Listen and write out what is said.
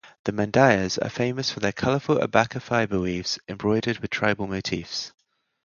The "Mandayas" are famous for their colorful abaca fiber weaves embroidered with tribal motifs.